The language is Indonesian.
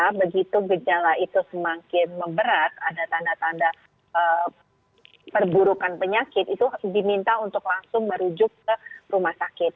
karena begitu gejala itu semakin memberat ada tanda tanda perburukan penyakit itu diminta untuk langsung merujuk ke rumah sakit